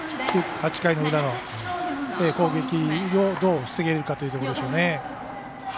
８回の裏の攻撃をどう防げるかというところでしょうね。